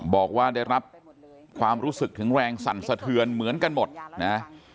บอกว่าได้รับความรู้สึกถึงแรงสั่นสะเทือนเหมือนกันหมดนะ